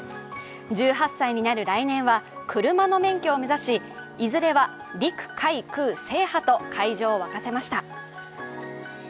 １８歳になる来年は車の免許を目指し、いずれは陸海空制覇と会場を沸かせました。